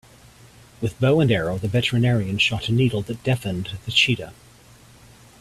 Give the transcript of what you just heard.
With bow and arrow the veterinarian shot a needle that deafened the cheetah.